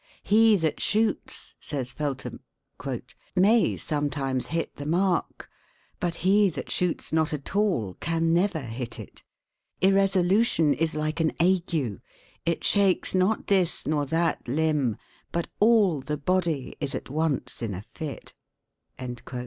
"He that shoots," says Feltham, "may sometimes hit the mark; but he that shoots not at all can never hit it. Irresolution is like an ague; it shakes not this nor that limb, but all the body is at once in a fit."